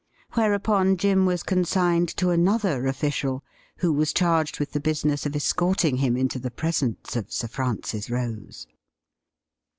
Whereupon Jim was consigned to another ofRcial, who was charged with the business of escorting him into the presence of Sir Francis Rose.